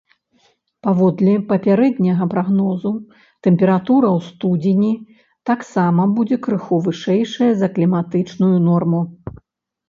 Паводле папярэдняга прагнозу, тэмпература ў студзені таксама будзе крыху вышэйшай за кліматычную норму.